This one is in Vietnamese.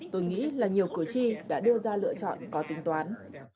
tôi nghĩ là nhiều cử tri đã đưa ra lựa chọn có tính toán